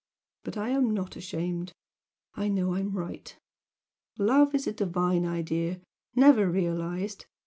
but I'm not ashamed. I know I'm right! Love is a divine idea, never realised.